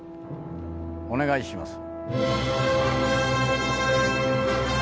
お願いします。